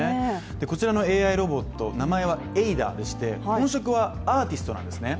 こちらのＡＩロボット名前はＡｉ−Ｄａでして本職はアーティストなんですね。